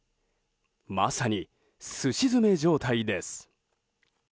まさにすし詰め状態です。